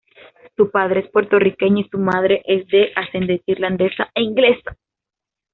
Su padre es puertorriqueño y su madre es de ascendencia irlandesa e inglesa.